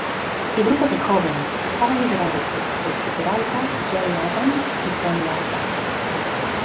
El grupo de jóvenes estaba liderado por Stacy Peralta, Jay Adams y Tony Alva.